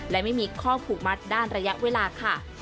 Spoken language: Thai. และไม่มีข้อผูกมัดด้านระยะเวลาค่ะ